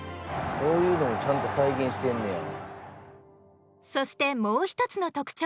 そういうのもちゃんと再現してんねや。